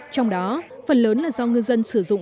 trong đó phần lớn là do ngư dân sử dụng